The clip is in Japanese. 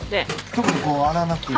特にこう洗わなくていい。